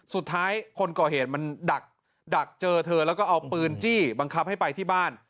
คนก่อเหตุมันดักเจอเธอแล้วก็เอาปืนจี้บังคับให้ไปที่บ้าน